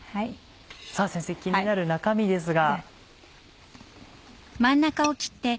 先生気になる中身ですが。